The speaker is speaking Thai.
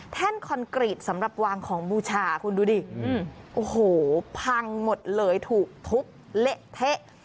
คอนกรีตสำหรับวางของบูชาคุณดูดิโอ้โหพังหมดเลยถูกทุบเละเทะ